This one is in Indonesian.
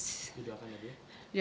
itu jawabannya dia